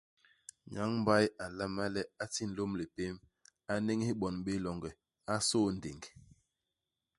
Nyañ-mbay a nlama le a ti nlôm lipém. A n'néñés bon béé longe. A sôô ndéng.